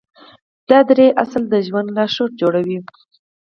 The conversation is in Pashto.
دا درې اصله د ژوند لارښود جوړوي.